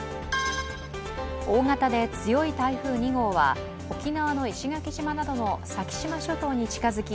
大型で強い台風２号は沖縄の石垣島などの先島諸島に近づき